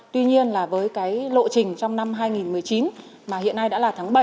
tuy nhiên với lộ trình trong năm hai nghìn một mươi chín mà hiện nay đã là tháng bảy